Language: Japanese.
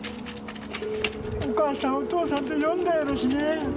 お母さん、お父さんって呼んだやろしね。